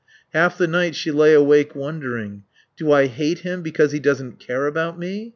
Half the night she lay awake wondering: Do I hate him because he doesn't care about me?